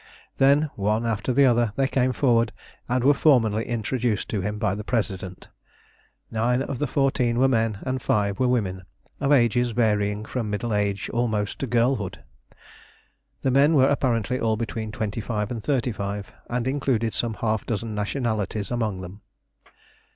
Then, one after the other, they came forward and were formally introduced to him by the President. Nine of the fourteen were men, and five were women of ages varying from middle age almost to girlhood. The men were apparently all between twenty five and thirty five, and included some half dozen nationalities among them.